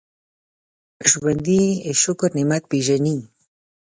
ژوندي د شکر نعمت پېژني